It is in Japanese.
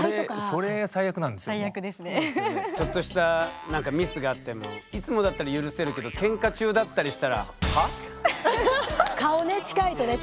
それちょっとしたミスがあってもいつもだったら許せるけどケンカ中だったりしたら顔ね近いとね